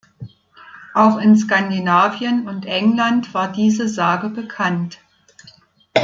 Auch in Skandinavien und England war diese Sage bekannt.